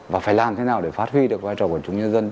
và phải làm thế nào để phát huy được vai trò của chúng nhân dân